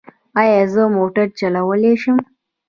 ایا زه موټر چلولی شم؟